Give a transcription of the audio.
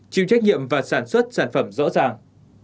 chịu trách nhiệm và sản xuất sản phẩm rõ ràng